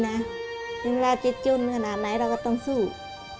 อยากให้น้าไม่รู้ว่าภาพแข็งแรง